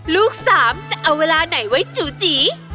ลูกสามจะเอาเวลาไหนไว้จูจี